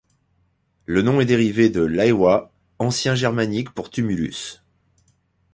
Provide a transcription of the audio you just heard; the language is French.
Le nom est dérivé de Hlaiwa, ancien-germanique pour tumulus.